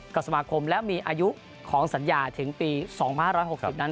กับสมาคมและมีอายุของสัญญาฯถึงปีสองพาห์ห้าร้อยหกสิบนั้น